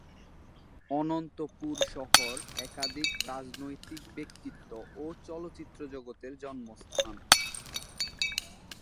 অনন্তপুর শহর একাধিক রাজনৈতিক ব্যক্তিত্ব ও চলচ্চিত্র জগতের জন্মস্থান।